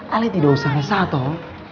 ale tidak usah resah toh